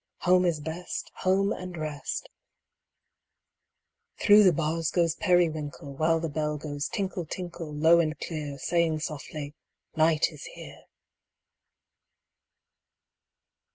Home is best. Home and rest !" Through the bars goes Periwinkle, While the bell goes tinkle, tinkle, Low and clear. Saying, softly, '' Night is here